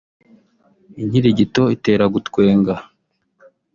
Inkirigito itera gutwenga